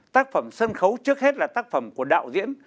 tác phẩm sân khấu trước hết là tác phẩm của đạo diễn